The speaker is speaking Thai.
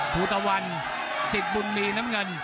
ภูตะวันสิทธิ์บุญมีน้ำเงิน